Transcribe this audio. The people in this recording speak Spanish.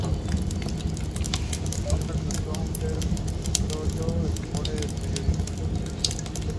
La hoja alcanzó a ser un meritorio exponente del periodismo español en Argentina.